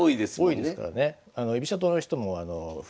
多いですからね。